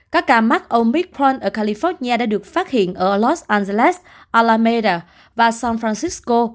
các ca mắc omicron ở california đã được phát hiện ở los angeles alameda và san francisco